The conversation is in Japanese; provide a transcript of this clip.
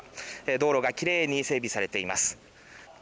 道路がきれいに整備されています。